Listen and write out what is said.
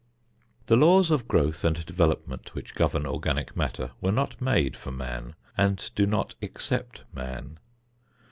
The laws of growth and development which govern organic matter were not made for man and do not except man.